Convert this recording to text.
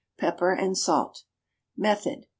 Pepper and salt. _Method.